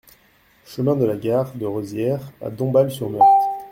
Chemin de la Gare de Rosières à Dombasle-sur-Meurthe